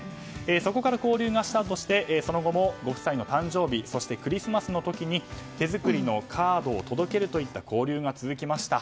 そこから交流がスタートしてその後もご夫妻の誕生日そしてクリスマスの時に手作りのカードを届けるという交流が続きました。